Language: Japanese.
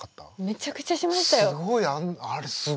めちゃくちゃしました